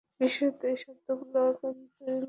বিশেষত এ শব্দগুলো একান্তই মুনকার।